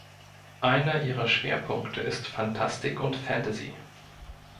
Einer ihrer Schwerpunkte ist Phantastik und Fantasy.